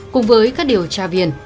cùng với các điều tra viên